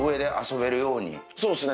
そうですね